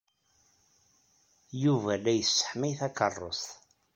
Yuba la yesseḥmay takeṛṛust.